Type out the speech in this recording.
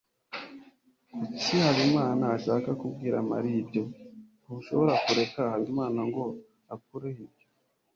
Kuki Habimana ashaka kubwira Mariya ibyo? Ntushobora kureka Habimana ngo akureho ibyo.